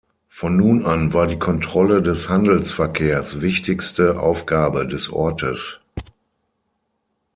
Von nun an war die Kontrolle des Handelsverkehrs wichtigste Aufgabe des Ortes.